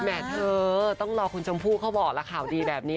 แม่เธอต้องรอคุณชมพู่เขาบอกละข่าวดีแบบนี้